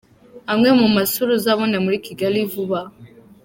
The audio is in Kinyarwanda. Amwe mu masura uzabona muri Kigali Vuba:.